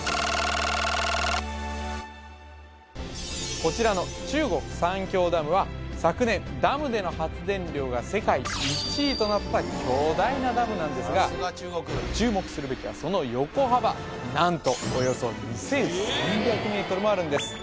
こちらの中国三峡ダムは昨年ダムでの発電量が世界１位となった巨大なダムなんですが注目するべきはその横幅何とおよそ２３００ｍもあるんです